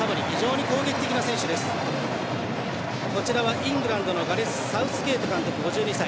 イングランドのガレス・サウスゲート監督５２歳。